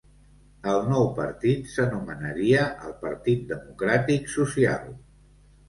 El nou partit s'anomenaria el Partit Democràtic Social.